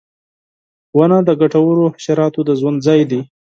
• ونه د ګټورو حشراتو د ژوند ځای دی.